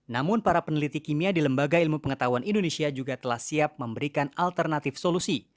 namun para peneliti kimia di lembaga ilmu pengetahuan indonesia juga telah siap memberikan alternatif solusi